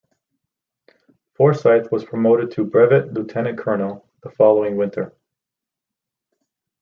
Forsyth was promoted to brevet Lieutenant Colonel the following winter.